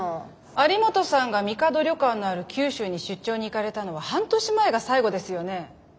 有本さんがみかど旅館のある九州に出張に行かれたのは半年前が最後ですよね？